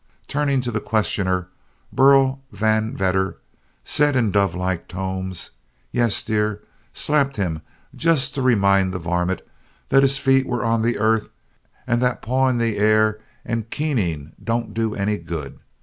Turning to the questioner, Burl Van Vedder said in dove like tones: "Yes, dear, slapped him just to remind the varmint that his feet were on the earth, and that pawing the air and keening didn't do any good.